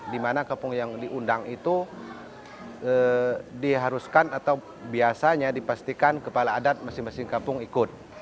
dimana kampung yang diundang itu diharuskan atau dihubungkan dengan perubahan yang berbeda